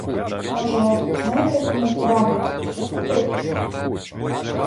Може, знаєте кому порадить, щоб купив?